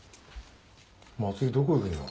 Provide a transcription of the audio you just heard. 茉莉どこ行くんだ？